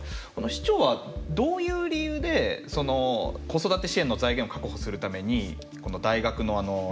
市長はどういう理由でその子育て支援の財源を確保するために大学の定期代ですか